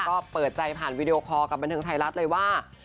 ก็เปิดใจผ่านวีดีโอคอร์กับบันเทิงไทยรัฐเลยว่า